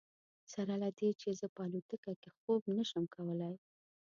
سره له دې چې زه په الوتکه کې خوب نه شم کولی.